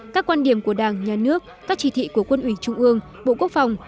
các quan điểm của đảng nhà nước các chỉ thị của quân ủy trung ương bộ quốc phòng